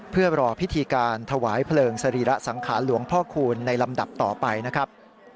เพื่อรอพิธีการถวายเพลิงสรีระสังขารหลวงพ่อคูณในลำดับต่อไปนะครับ